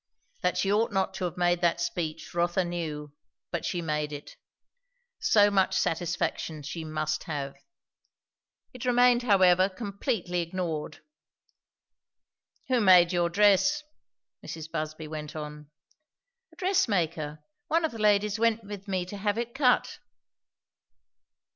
That she ought not to have made that speech, Rotha knew; but she made it. So much satisfaction she must have. It remained however completely ignored. "Who made your dress?" Mrs. Busby went on. "A dress maker. One of the ladies went with me to have it cut."